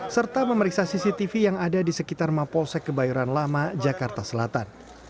serta memeriksa cctv yang ada di sekitar mapolsek kebayoran lama jakarta selatan